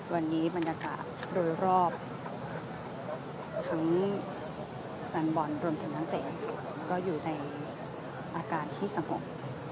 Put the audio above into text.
วันนี้บรรยากาศโดยรอบทั้งแฟนบอลรวมถึงนักเตะก็อยู่ในอาการที่สงบ